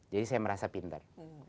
jadi saya merasa pintar